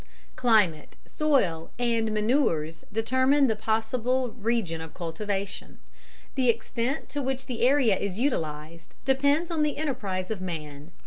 _ Climate, soil, and manures determine the possible region of cultivation the extent to which the area is utilised depends on the enterprise of man.